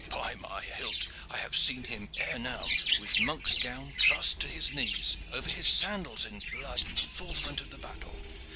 By my hilt! I have seen him ere now, with monk's gown trussed to his knees, over his sandals in blood in the fore front of the battle.